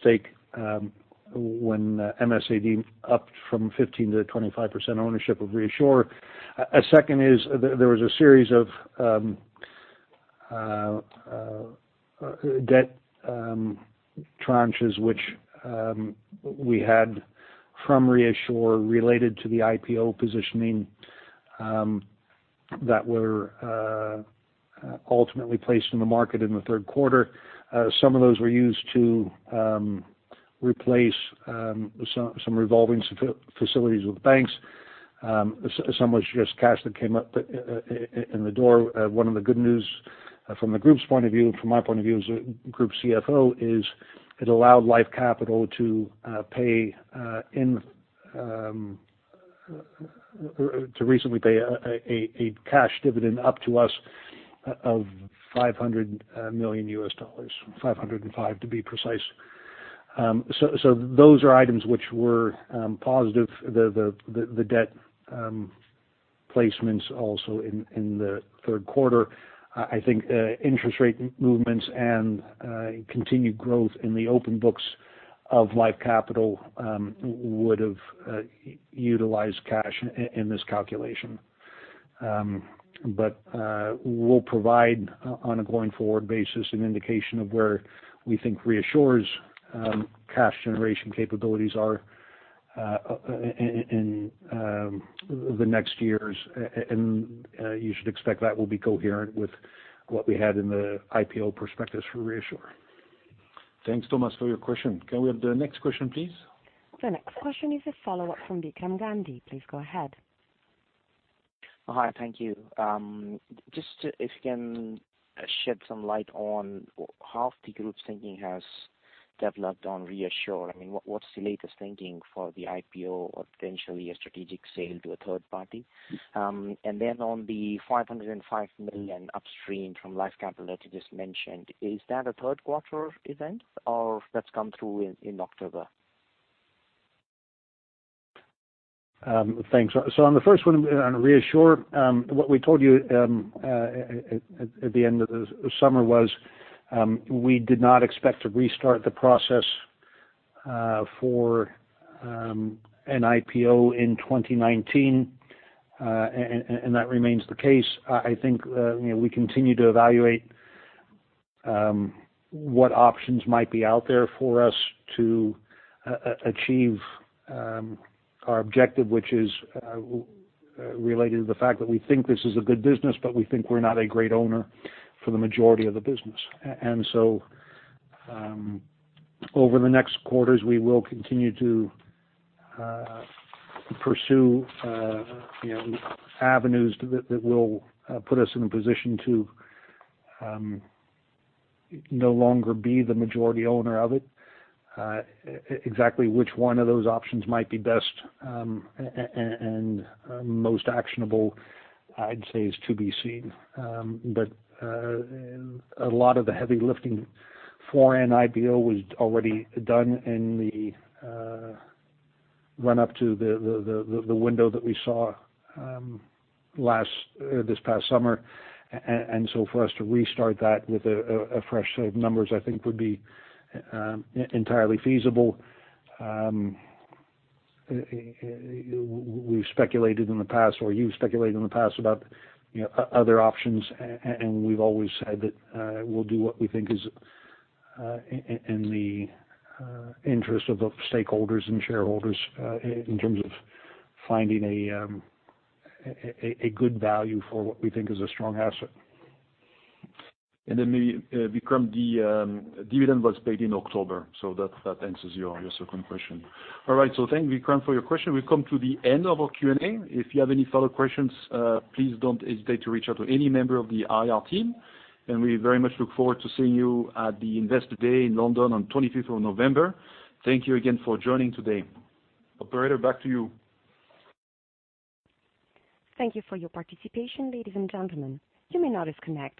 stake when MS&AD upped from 15% to 25% ownership of ReAssure. A second is there was a series of debt tranches which we had from ReAssure related to the IPO positioning that were ultimately placed in the market in the third quarter. Some of those were used to replace some revolving facilities with banks. Some was just cash that came up in the door. One of the good news from the group's point of view, from my point of view as a group CFO, is it allowed Life Capital to recently pay a cash dividend up to us of CHF 500 million, 505 million to be precise. Those are items which were positive. The debt placements also in the third quarter. I think interest rate movements and continued growth in the open books of Life Capital would have utilized cash in this calculation. We'll provide on a going-forward basis an indication of where we think ReAssure's cash generation capabilities are in the next years, and you should expect that will be coherent with what we had in the IPO prospectus for ReAssure. Thanks, Thomas, for your question. Can we have the next question, please? The next question is a follow-up from Vikram Gandhi. Please go ahead. Hi, thank you. Just if you can shed some light on how the group's thinking has developed on ReAssure. What's the latest thinking for the IPO or potentially a strategic sale to a third party? On the 505 million upstream from Life Capital that you just mentioned, is that a third quarter event, or that's come through in October? Thanks. On the first one, on ReAssure, what we told you at the end of the summer was we did not expect to restart the process for an IPO in 2019, and that remains the case. I think we continue to evaluate what options might be out there for us to achieve our objective, which is related to the fact that we think this is a good business, but we think we're not a great owner for the majority of the business. Over the next quarters, we will continue to pursue avenues that will put us in a position to no longer be the majority owner of it. Exactly which one of those options might be best and most actionable, I'd say, is to be seen. A lot of the heavy lifting for an IPO was already done in the run up to the window that we saw this past summer. For us to restart that with a fresh set of numbers, I think would be entirely feasible. We've speculated in the past, or you've speculated in the past about other options, and we've always said that we'll do what we think is in the interest of the stakeholders and shareholders in terms of finding a good value for what we think is a strong asset. Maybe Vikram, the dividend was paid in October, so that answers your second question. All right. Thank you, Vikram, for your question. We've come to the end of our Q&A. If you have any further questions, please don't hesitate to reach out to any member of the IR team, and we very much look forward to seeing you at the Investor Day in London on 25th of November. Thank you again for joining today. Operator, back to you. Thank you for your participation, ladies and gentlemen. You may now disconnect.